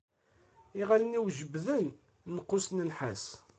Iɣallen-iw jebbden lqus n nnḥas.